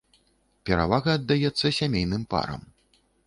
Перавага аддаецца сямейным парам.